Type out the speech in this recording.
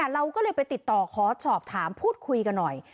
เราก็เลยไปติดต่อขอสอบถามพูดคุยกันหน่อย